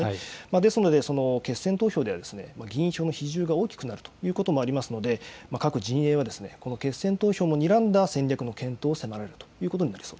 ですので、決選投票では、議員票の比重が大きくなるということもありますので、各陣営はこの決選投票もにらんだ戦略の検討を迫られるということ